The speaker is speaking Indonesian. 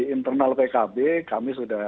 ya di internal pkb kami sudah